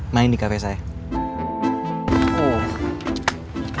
main di cafe saya